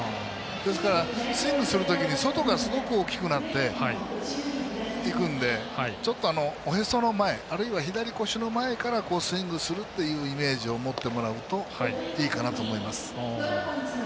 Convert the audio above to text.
ですから、スイングする時に外がすごく大きくなっていくのでちょっと、おへその前あるいは左腰の前からスイングするというイメージを持ってもらうといいかなと思います。